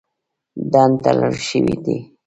ډنډ تړل شوی دی.